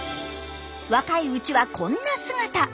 若いうちはこんな姿。